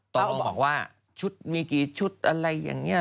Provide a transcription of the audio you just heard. ก็บอกว่าชุดมีกี่ชุดอะไรอย่างนี้